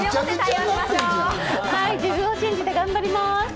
自分を信じて頑張ります。